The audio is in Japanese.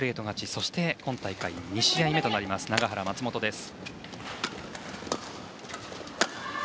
そして今大会２試合目となります永原、松本です。